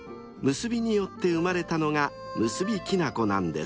［結びによって生まれたのが結きなこなんです］